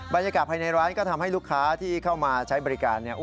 บรรยากาศภายในร้านก็ทำให้ลูกค้าที่เข้ามาใช้บริการ